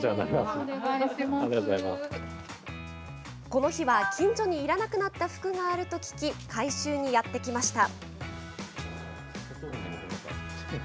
この日は、近所にいらなくなった服があると聞き回収にやって来ました。